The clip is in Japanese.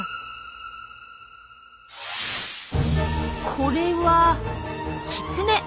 これはキツネ！